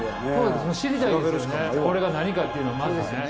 これが何かっていうのを。